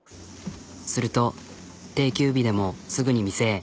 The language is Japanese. すると定休日でもすぐに店へ。